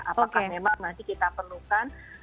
apakah memang nanti kita perlukan